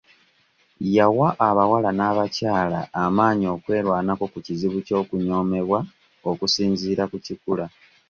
Yawa abawala n'abakyala amaanyi okwerwanako ku kizibu ky'okunyoomebwa okusinziira ku kikula.